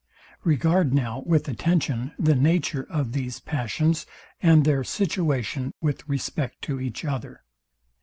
Regard now with attention the nature of these passions, and their situation with respect to each other.